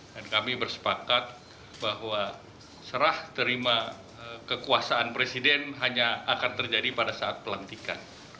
dan kami bersepakat bahwa serah terima kekuasaan presiden hanya akan terjadi pada saat pelantikan